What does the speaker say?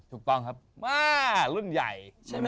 ถูกต้องครับมากรุ่นใหญ่